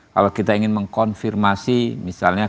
kalau kita ingin mengkonfirmasi misalnya